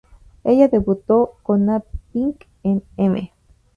Ella debutó con A Pink en "M!